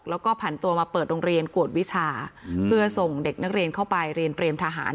แล้วก็ผันตัวมาเปิดโรงเรียนกวดวิชาเพื่อส่งเด็กนักเรียนเข้าไปเรียนเตรียมทหาร